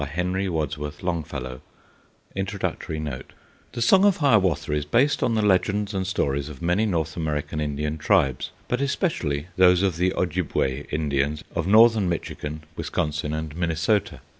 Hiawatha's Departure Vocabulary Introductory Note The Song of Hiawatha is based on the legends and stories of many North American Indian tribes, but especially those of the Ojibway Indians of northern Michigan, Wisconsin, and Minnesota.